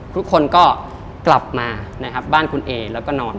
ทุกคนก็กลับมานะฮะบ้านคุณเอ็กซ์แล้วก็นอน